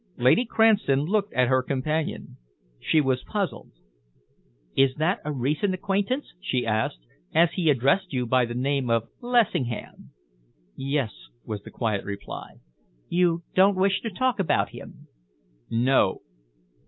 Lady Cranston looked at her companion. She was puzzled. "Is that a recent acquaintance," she asked, "as he addressed you by the name of Lessingham?" "Yes," was the quiet reply. "You don't wish to talk about him?" "No!"